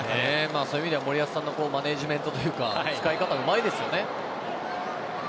そういう意味では森保さんのマネジメントというか使い方がうまいですよね。